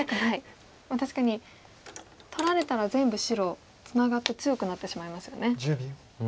確かに取られたら全部白ツナがって強くなってしまいますよね。